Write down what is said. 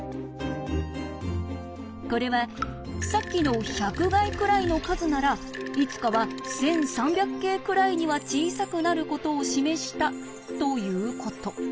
これはさっきの１００垓くらいの数ならいつかは１，３００京くらいには小さくなることを示したということ。